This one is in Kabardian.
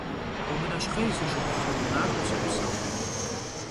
Vumıneşxhêy, di şşıpxhu, nak'ue si ğuseu.